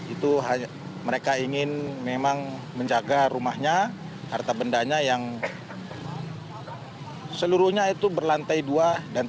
itu mereka ingin memang menjaga rumahnya harta bendanya yang seluruhnya itu berlantai dua dan tiga